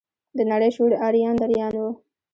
د نړۍ شعور اریان دریان و.